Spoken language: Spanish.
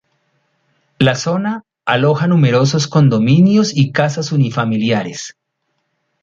La zona aloja numerosos condominios y casas unifamiliares.